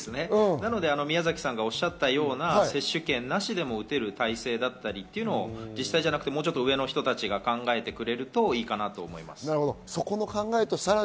なので宮崎さんがおっしゃったような接種券なしでも打てるような体制だったり、自治体ではなくもうちょっと上の人たちが考えてくれたりしたらいいなと思います。